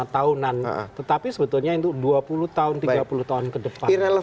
lima tahunan tetapi sebetulnya itu dua puluh tahun tiga puluh tahun ke depan